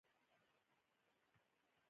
په خرابو ټوپکو یې لاس وواهه.